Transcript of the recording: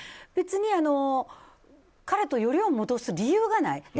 別に、彼とよりを戻す理由がない。